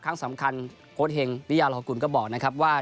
ครั้งสำคัญโค้ดเห็งวิยารหกุลก็บอกนะครับว่า